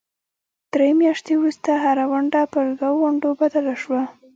درې میاشتې وروسته هره ونډه پر دوو ونډو بدله شوه.